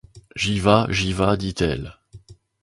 J’y vas ! j’y vas ! dit-elle.